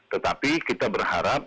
tetapi kita berharap